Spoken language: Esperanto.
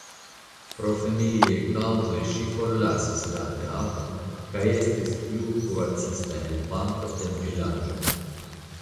Pro familiaj kaŭzoj ŝi forlasis la teatron kaj estis plu kuracista helpanto en vilaĝo.